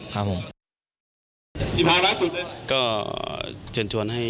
ก็เจ้าชวนให้